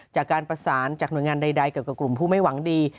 จากการประสานจากหน่วยงานใดเกี่ยวกับกลุ่มผู้ไม่หวังดี